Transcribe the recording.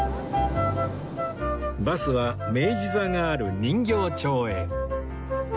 バスは明治座がある人形町へ